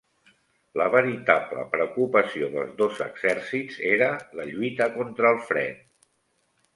La veritable preocupació dels dos exèrcits era la lluita contra el fred.